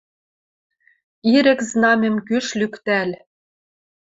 Ирӹк знамӹм кӱш лӱктӓл.